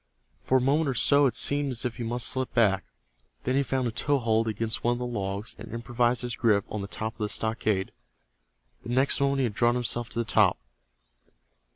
For a moment or so it seemed as if he must slip back. Then he found a toe hold against one of the logs, and improved his grip on the top of the stockade. The next moment he had drawn himself to the top.